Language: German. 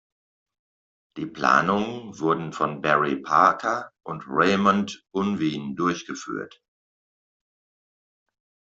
Die Planungen wurden von Barry Parker und Raymond Unwin durchgeführt.